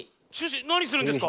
何するんですか！